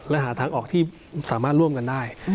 และหาทางออกที่สามารถร่วมกันได้